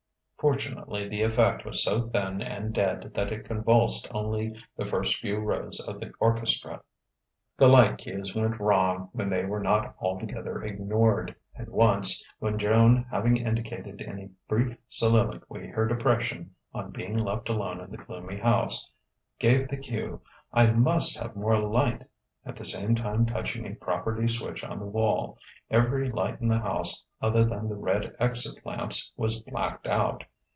Fortunately, the effect was so thin and dead that it convulsed only the first few rows of the orchestra. The light cues went wrong when they were not altogether ignored; and once, when Joan having indicated in a brief soliloquy her depression on being left alone in the gloomy house, gave the cue "I must have more light," at the same time touching a property switch on the wall, every light in the house other than the red "exit" lamps was "blacked out."